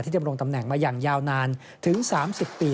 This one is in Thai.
ที่เตรียมลงตำแหน่งมาอย่างยาวนานถึง๓๐ปี